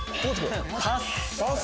パス。